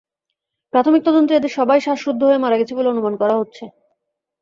প্রাথমিক তদন্তে, এদের সবাই শ্বাসরুদ্ধ হয়ে মারা গেছে বলে অনুমান করা হচ্ছে।